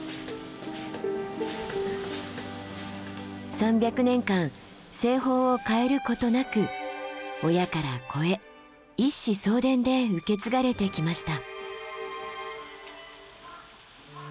３００年間製法を変えることなく親から子へ一子相伝で受け継がれてきました。